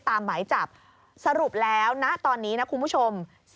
หมายจับสรุปแล้วนะตอนนี้นะคุณผู้ชม